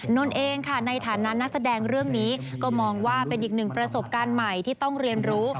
นนท์เองค่ะในฐานะนักแสดงเรื่องนี้ก็มองว่าเป็นอีกหนึ่งประสบการณ์ใหม่ที่ต้องเรียนรู้